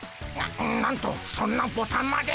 ななんとそんなボタンまで。